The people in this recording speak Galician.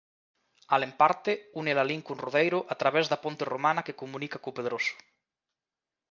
Alemparte une Lalín con Rodeiro a través da ponte romana que comunica con Pedroso.